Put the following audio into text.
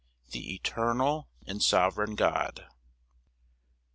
The eternal and sovereign God.